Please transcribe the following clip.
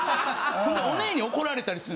ほんでオネエに怒られたりする。